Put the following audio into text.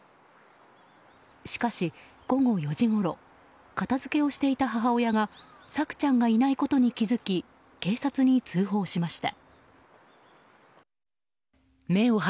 しかし、午後４時ごろ片付けをしていた母親が朔ちゃんがいないことに気づき警察に通報しました。